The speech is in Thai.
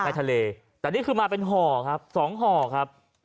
ในทะเลแต่นี่คือมาเป็นห่อครับสองห่อครับ